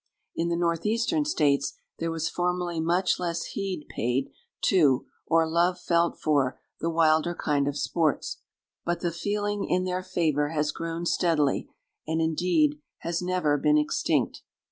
In the Northeastern States there was formerly much less heed paid to, or love felt for, the wilder kind of sports; but the feeling in their favor has grown steadily, and indeed has never been extinct.